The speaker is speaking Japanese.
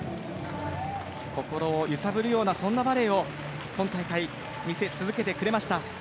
心を揺さぶるようなそんなバレーを今大会、見せ続けてくれました。